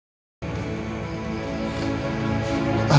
tidak cinema peristiwa